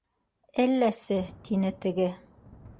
—Әлләсе, —тине теге.